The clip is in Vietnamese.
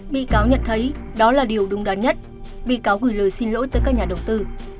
bị cáo nhận thấy đó là điều đúng đắn nhất bị cáo gửi lời xin lỗi tới các nhà đầu tư